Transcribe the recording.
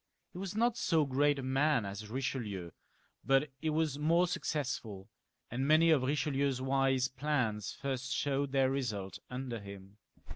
He was not so great a man as EicheUeu, but he was more successful, and many of Riche lieu's wise plans first showed their result under him.